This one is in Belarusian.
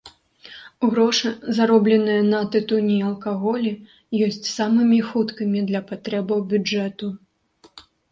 Грошы, заробленыя на тытуні і алкаголі, ёсць самымі хуткімі для патрэбаў бюджэту.